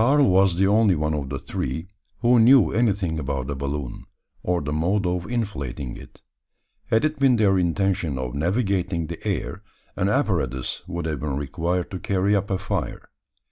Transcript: Karl was the only one of the three who knew anything about a balloon, or the mode of inflating it. Had it been their intention of navigating the air, an apparatus would have been required to carry up a fire.